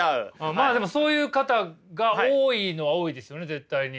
まあでもそういう方が多いのは多いですよね絶対に。